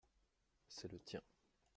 C’est le tien.